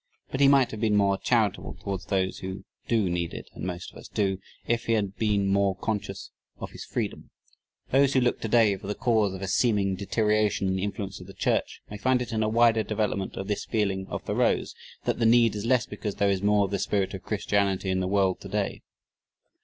But he might have been more charitable towards those who do need it (and most of us do) if he had been more conscious of his freedom. Those who look today for the cause of a seeming deterioration in the influence of the church may find it in a wider development of this feeling of Thoreau's; that the need is less because there is more of the spirit of Christianity in the world today.